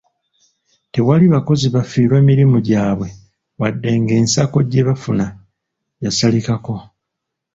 Tewali bakozi baafiirwa mirimu gyabwe wadde ng'ensako gye bafuna yasalikako.